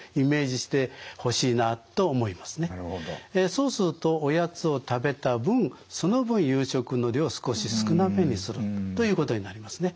そうするとおやつを食べた分その分夕食の量を少し少なめにするということになりますね。